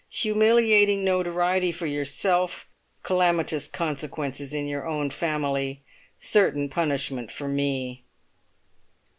Humiliating notoriety for yourself, calamitous consequences in your own family, certain punishment for me!"